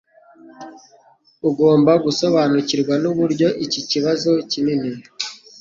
Ugomba gusobanukirwa nuburyo iki kibazo kinini